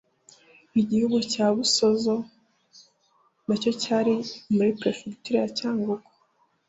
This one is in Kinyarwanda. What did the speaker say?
Igihugu cya Busozo nacyo cyari muri Perefegitura ya Cyangugu